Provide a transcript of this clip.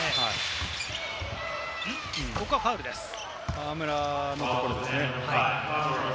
河村のところですね。